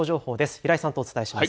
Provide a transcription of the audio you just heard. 平井さんとお伝えします。